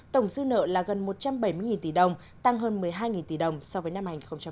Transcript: tổng dư nợ là gần một trăm bảy mươi tỷ đồng tăng hơn một mươi hai tỷ đồng so với năm hai nghìn một mươi tám